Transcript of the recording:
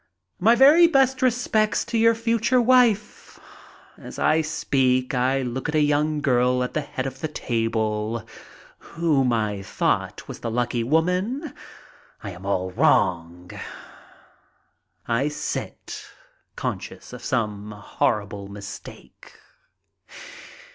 "My very best respects to your future wife." As I speak I look at a young girl at the MY VISIT TO GERMANY 123 head of the table whom I thought was the lucky woman. I am all wrong. I sit, conscious of some horrible mistake.